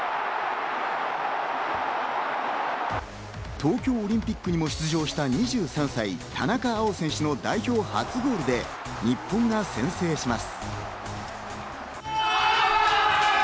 東京オリンピックにも出場した、２３歳田中碧選手の代表初ゴールで日本が先制します。